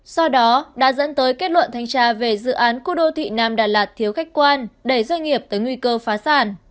sau đó đã dẫn tới kết luận thanh tra về dự án khu đô thị nam đà lạt thiếu khách quan đẩy doanh nghiệp tới nguy cơ phá sản